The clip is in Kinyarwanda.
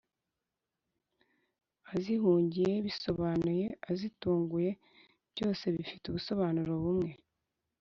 Azihungiye: bisobanuye azitunguye ,byose bifite ubusobanuro bumwe